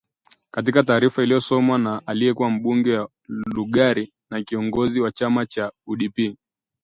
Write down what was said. Katika taarifa iliyosomwa na aliyekuwa mbunge wa Lugari na kiongozi wa chama cha UDP